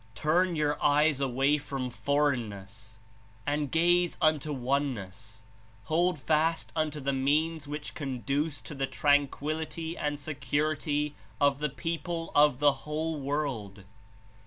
Turn your eyes away from foreignness and gaze unto Oneness; hold fast unto the means which conduce to the tranquillity and security of the people of the whole world.